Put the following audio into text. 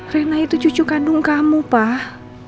rena itu cucu kandung kamu pak